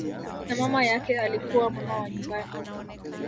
Na mama yake alikuwa mama wa nyumbani